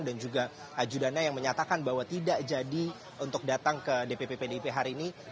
dan juga ajudannya yang menyatakan bahwa tidak jadi untuk datang ke dpp pdip hari ini